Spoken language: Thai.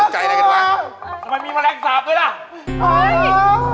ทำไมมีแมล็กสาปด้วยล่ะ